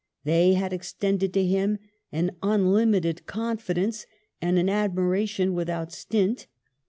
... They had extended to him an unlimited confidence and an admiration without stint.